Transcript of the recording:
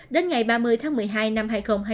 đến ngày ba mươi tháng một mươi hai năm hai nghìn hai mươi